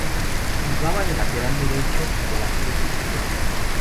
Jugaba de lateral derecho en el Athletic Club.